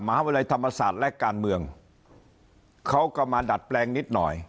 มหาวิทยาลัยธรรมศาสตร์และการเมืองเขาก็มาดัดแปลงนิดหน่อย